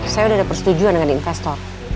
saya sudah ada persetujuan dengan investor